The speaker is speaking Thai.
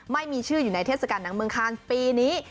ไม่มีชื่ออยู่ในเทศกาลหนังเมืองคานปีนี้